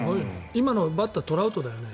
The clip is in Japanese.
今のバッター、トラウトだよね。